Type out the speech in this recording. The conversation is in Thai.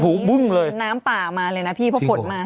โอเคคือนี้น้ำป่ามาเลยนะพี่เพราะฝนมา